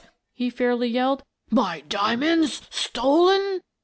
" he fairly yelled. " My diamonds stolen?"